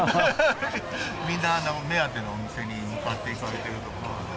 みんな、目当てのお店に向かっていかれてると思うので。